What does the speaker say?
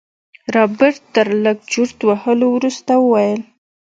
رابرټ تر لږ چورت وهلو وروسته وويل.